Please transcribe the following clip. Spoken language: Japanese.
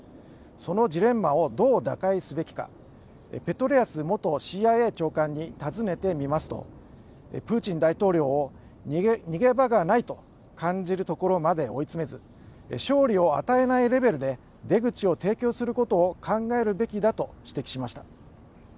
そのジレンマをどう打開すべきかペトレアス元ＣＩＡ長官に尋ねてみますとプーチン大統領を逃げ場がないと感じるところまで追い詰めず勝利を与えないレベルで出口を提供することを考えるべきだと指摘しました。